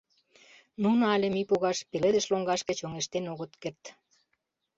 Нуно але мӱй погаш пеледыш лоҥгашке чоҥештен огыт керт.